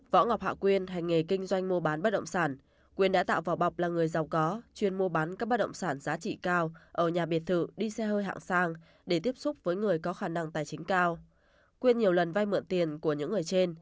võ ngọc hạ quyên đã chiếm đoạt của các ông nvh ngụ phường hai mươi hai quận bình thạnh